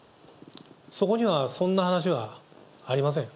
そこには、そんな話はありません。